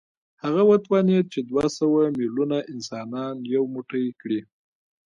هغه وتوانېد چې دوه سوه ميليونه انسانان يو موټی کړي.